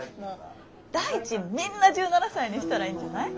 大臣みんな１７才にしたらいいんじゃない？